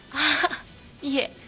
ああいえ。